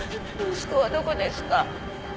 息子はどこですか？